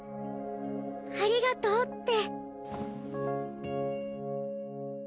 ありがとうって。